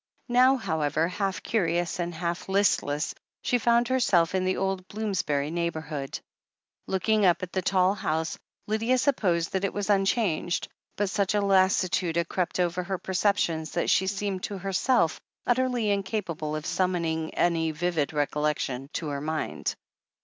Now, however, half curious and half listless, she found herself in the old Bloomsbury neighbourhood. 441 442 THE HEEL OF ACHIIXES Looking up at the tall house, Lydia supposed that it was unchanged, but such a lassitude had crept over her perceptions that she seemed to herself utterly incapable of summoning any vivid recollection to her mind.